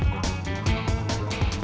gak ada apa apa